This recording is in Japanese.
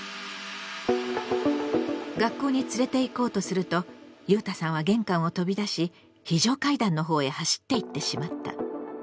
学校に連れていこうとするとゆうたさんは玄関を飛び出し非常階段の方へ走っていってしまった。